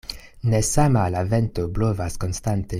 Ne sama la vento blovas konstante.